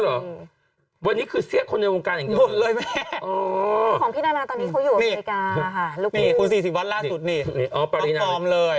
ลูกคู่คุณดีดีกว่านี่มากคอมเลย